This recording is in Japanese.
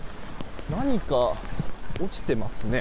何か落ちていますね。